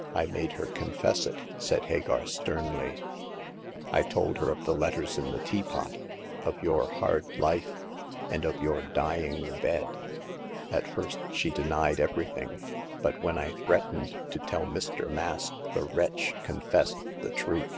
" I made her confess it," said Hagar, sternly. I told her of the letters in the teapot ; of your hard life, and of your dying bed. At first she denied everything ; but when I threatened to tell Mr. Mask the wretch confessed the truth.